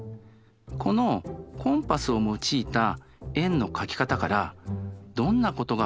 このコンパスを用いた円の描き方からどんなことが分かるでしょうか？